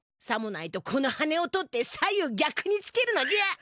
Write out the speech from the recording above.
さもないとこの羽根を取って左右ぎゃくにつけるのじゃ！